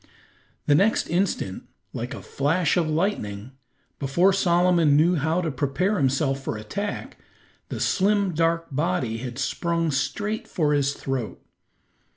The next instant, like a flash of lightning, before Solomon knew how to prepare himself for attack, the slim, dark body had sprung straight for his throat.